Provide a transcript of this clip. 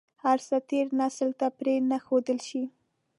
هر څه تېر نسل ته پرې نه ښودل شي.